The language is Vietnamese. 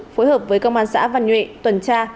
phối hợp với công an xã văn nhuệ tuần tra